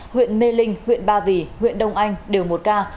huyện mê linh huyện ba vì huyện đông anh đều một ca